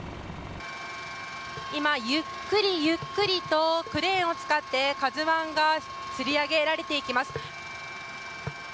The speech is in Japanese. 今ゆっくりゆっくりとクレーンを使って「ＫＡＺＵ１」がつり上げられていきます。